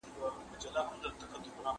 که څېړنه د ساینس په مرسته وسی ښه ده.